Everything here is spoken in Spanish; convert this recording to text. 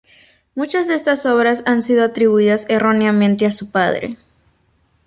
Muchas de estas obras han sido atribuidas erróneamente a su padre.